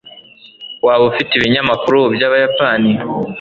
waba ufite ibinyamakuru byabayapani